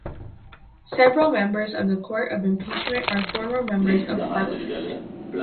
Several members of the Court of Impeachment are former members of parliament.